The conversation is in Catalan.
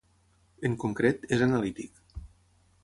En concret, és analític.